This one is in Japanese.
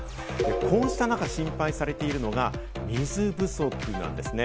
こうした中、心配されているのが水不足なんですね。